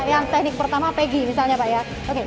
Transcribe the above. yang teknik pertama peggy misalnya pak ya